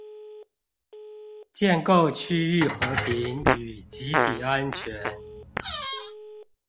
建構區域和平與集體安全